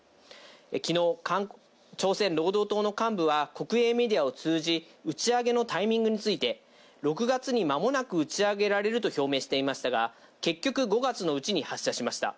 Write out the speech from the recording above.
きのう、朝鮮労働党の幹部は国営メディアを通じ、打ち上げのタイミングについて、６月に、まもなく打ち上げられると表明していましたが、結局５月のうちに発射しました。